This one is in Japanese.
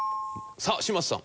さあ嶋佐さん。